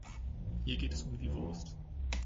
Hier geht es um die Wurst.